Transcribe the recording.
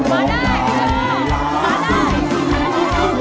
มาได้